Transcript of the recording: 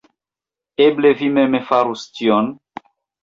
Eble vi mem farus tion?